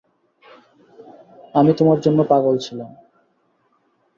আমি তোমার জন্য পাগল ছিলাম।